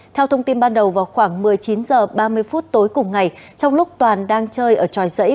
theo thông tin ban đầu vào khoảng một mươi chín h ba mươi phút tối cùng ngày trong lúc toàn đang chơi ở tròi dãy